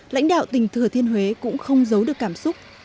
lãnh đạo tỉnh thừa thiên huế cũng không giấu được cảm xúc